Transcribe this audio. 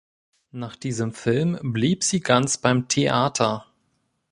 Nach diesem Film blieb sie ganz beim Theater.